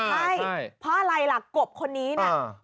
ใช่เพราะอะไรล่ะกบคนนี้เนี่ย